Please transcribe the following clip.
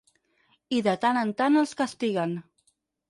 I de tant en tant els castiguen.